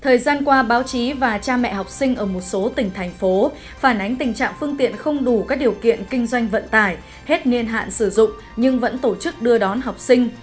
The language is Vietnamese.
thời gian qua báo chí và cha mẹ học sinh ở một số tỉnh thành phố phản ánh tình trạng phương tiện không đủ các điều kiện kinh doanh vận tải hết niên hạn sử dụng nhưng vẫn tổ chức đưa đón học sinh